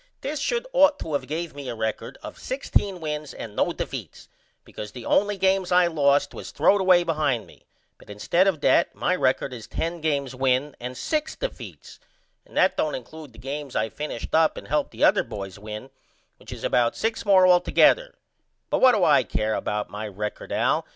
This should ought to of gave me a record of 16 wins and 0 defeats because the only games I lost was throwed away behind me but instead of that my record is 10 games win and 6 defeats and that don't include the games I finished up and helped the other boys win which is about 6 more altogether but what do I care about my record Al?